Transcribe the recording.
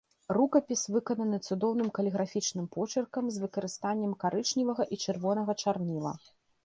Рукапіс выкананы цудоўным каліграфічным почыркам з выкарыстаннем карычневага і чырвонага чарніла.